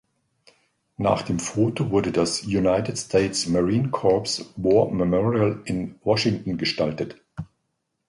Nach dem Foto wurde das United States Marine Corps War Memorial in Washington gestaltet.